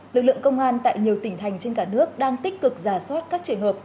lực lượng công an tại nhiều tỉnh thành trên cả nước đang tích cực giả soát các trường hợp